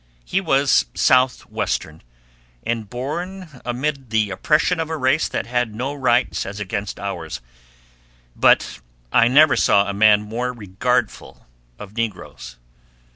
He was Southwestern, and born amid the oppression of a race that had no rights as against ours, but I never saw a man more regardful of negroes.